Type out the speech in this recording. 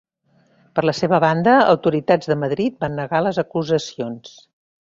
Per la seva banda, autoritats de Madrid van negar les acusacions.